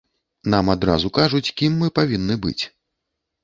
Нам адразу кажуць, кім мы павінны быць.